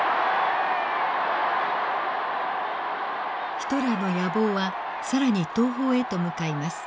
ヒトラーの野望は更に東方へと向かいます。